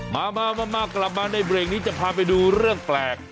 มามากลับมาในเบรกนี้จะพาไปดูเรื่องแปลก